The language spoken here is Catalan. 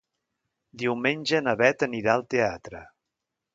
Diumenge na Bet anirà al teatre.